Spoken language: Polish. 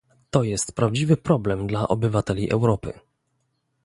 To jest prawdziwy problem dla obywateli Europy